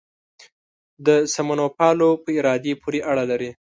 د سمونپالو په ارادې پورې اړه لري.